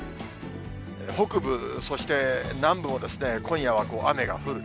北部、そして南部も、今夜は雨が降る。